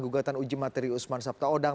gugatan uji materi usman sabtaodang